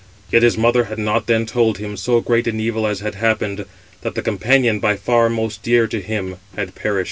Yet his mother had not then told him so great an evil as had happened, that the companion by far most dear to him had perished.